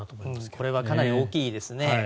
これはかなり大きいですね。